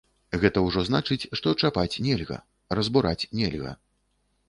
Гэта ўжо значыць, што чапаць нельга, разбураць нельга.